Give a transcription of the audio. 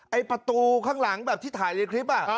ประตูข้างหลังแบบที่ถ่ายในคลิป